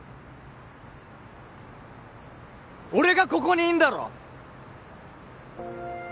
俺がここにいんだろ！